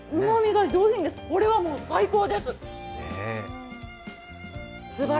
うまみが上品です、これはもう最高です。